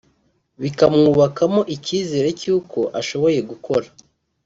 bikamwubakamo icyizere cy’uko ashoboye gukora